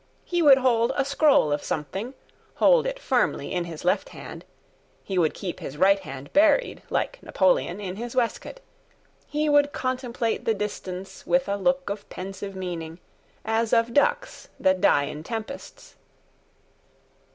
He would hold a scroll of something, Hold it firmly in his left hand; He would keep his right hand buried (Like Napoleon) in his waistcoat; He would contemplate the distance With a look of pensive meaning, As of ducks that die ill tempests.